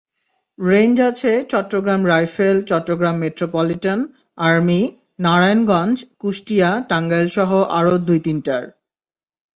Range আছে Chattogram rifle, Chattogram metropolitan, army, Narayanganj, Kushtia, টাঙ্গাইলসহ আরও দুই-তিনটির।